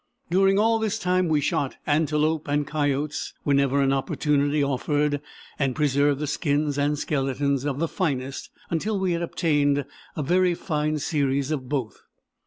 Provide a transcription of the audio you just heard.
During all this time we shot antelope and coyotes whenever an opportunity offered, and preserved the skins and skeletons of the finest until we had obtained a very fine series of both.